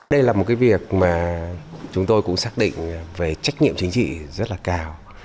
đây là một cái việc mà chúng tôi cũng xác định về trách nhiệm chính trị rất là cao